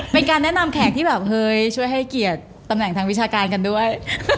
เป็นการแนะนำแขกที่แบบเฮ้ยช่วยให้เกียรติตำแหน่งทางวิชาการกันด้วย